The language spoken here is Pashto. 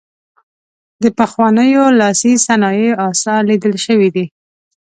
د پخوانیو لاسي صنایعو اثار لیدل شوي دي.